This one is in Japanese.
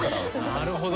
なるほど。